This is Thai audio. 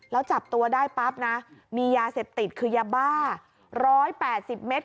แล้วจับตัวได้ปั๊บนะมียาเสพติดคือยาบ้า๑๘๐เมตร